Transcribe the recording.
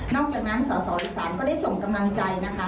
อกจากนั้นสอสออีสานก็ได้ส่งกำลังใจนะคะ